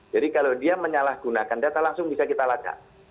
jadi kalau dia menyalahgunakan data langsung bisa kita lacak